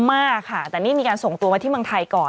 มากค่ะแต่นี่มีการส่งตัวมาที่เมืองไทยก่อน